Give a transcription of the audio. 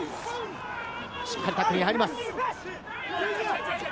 しっかりタックルに入ります。